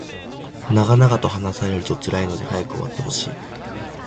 長々と話されると辛いので早く終わってほしい